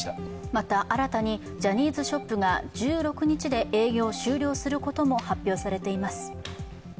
また、新たにジャニーズショップが１６日で営業を終了することも発表されています。